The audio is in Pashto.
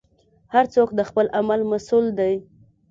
هر څوک د خپل عمل مسوول دی.